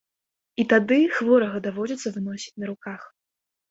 І тады хворага даводзіцца выносіць на руках.